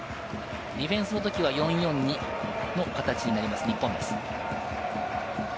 ディフェンスのときは４−４−２の形になります日本です。